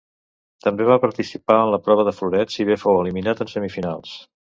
També va participar en la prova de floret, si bé fou eliminat en semifinals.